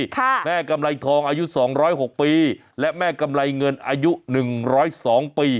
ค่ะแม่กำไรทองอายุสองร้อยหกปีและแม่กำไรเงินอายุหนึ่งร้อยสองปี